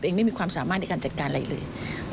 ไม่มีความสามารถในการจัดการอะไรเลย